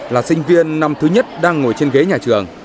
là sinh viên năm thứ nhất đang ngồi trên ghế nhà trường